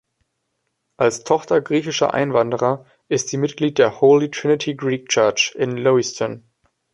Als Tochter griechischer Einwanderer ist sie Mitglied der "Holy Trinity Greek Church" in Lewiston.